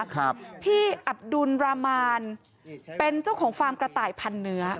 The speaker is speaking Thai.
ครับพี่อับดุลรามานเป็นเจ้าของฟาร์มกระต่ายพันเนื้อ